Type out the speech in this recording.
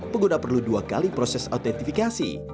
pengguna perlu dua kali proses autentifikasi